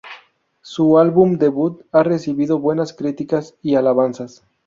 Su álbum debut ha recibido buenas críticas y alabanzas.